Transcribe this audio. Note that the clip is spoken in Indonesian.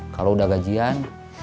kalau udah gajian